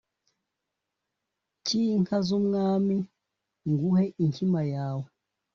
cy’inka z’umwami nguhe inkima yawe,